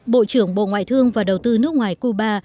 bộ trưởng bộ ngoại thương và đầu tư nước ngoài cuba